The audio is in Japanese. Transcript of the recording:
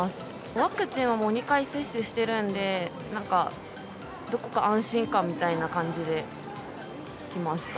ワクチンはもう２回接種してるんで、なんかどこか安心感みたいな感じで来ました。